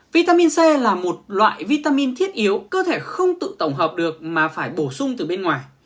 vitamin c là một loại vitamin thiết yếu cơ thể không tự tổng hợp được mà phải bổ sung từ bên ngoài